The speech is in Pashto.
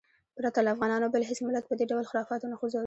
پرته له افغانانو بل هېڅ ملت په دې ډول خرافاتو نه ځورېږي.